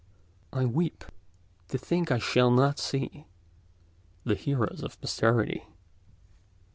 I weep—to think I shall not see The heroes of posterity."